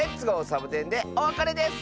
サボテン」でおわかれです！